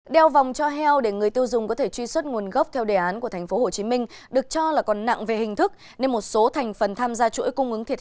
đeo vòng cho heo để người tiêu dùng có thể truy xuất nguồn gốc theo đề án của tp hcm được cho là còn nặng về hình thức